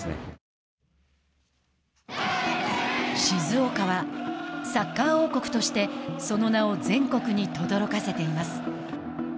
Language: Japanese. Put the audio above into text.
静岡はサッカー王国としてその名を全国にとどろかせています。